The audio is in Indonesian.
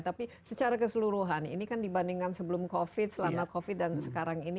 tapi secara keseluruhan ini kan dibandingkan sebelum covid selama covid dan sekarang ini